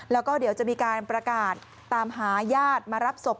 แล้วก็เดี๋ยวจะมีการประกาศตามหาญาติมารับศพ